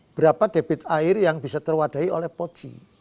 berapa debit air yang bisa terwadahi oleh pochi